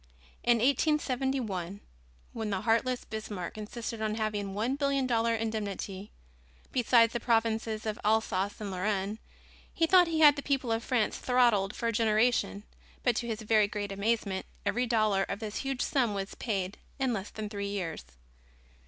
In 1871, when the heartless Bismarck insisted on having a one billion dollar indemnity, besides the provinces of Alsace and Lorraine, he thought he had the people of France throttled for a generation, but to his very great amazement every dollar of this huge sum was paid in less than three years.